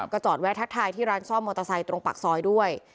จอดแวะทักทายที่ร้านซ่อมมอเตอร์ไซค์ตรงปากซอยด้วย